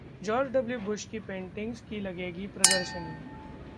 George W Bush की paintings की लगेगी प्रदर्शनी